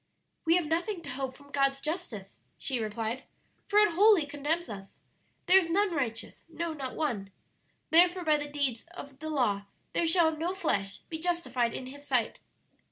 "We have nothing to hope from God's justice," she replied, "for it wholly condemns us. 'There is none righteous, no, not one.... Therefore by the deeds of the law there shall no flesh be justified in His sight.'